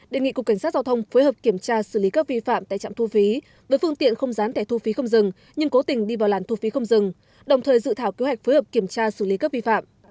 đề nghị cục cảnh sát giao thông phối hợp kiểm tra xử lý các vi phạm tại trạm thu phí với phương tiện không dán tẻ thu phí không dừng nhưng cố tình đi vào làn thu phí không dừng đồng thời dự thảo kế hoạch phối hợp kiểm tra xử lý các vi phạm